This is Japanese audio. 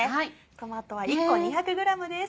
トマトは１個２００ｇです。